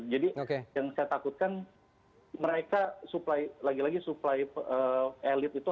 jadi yang saya takutkan mereka lagi lagi suplai elit itu